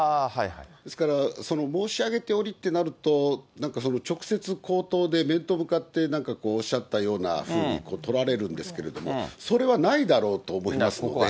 ですから、申し上げておりってなると、なんか直接口頭で、面と向かって、なんかこうおっしゃったふうに取られるんですけれども、それはないだろうと思いますので。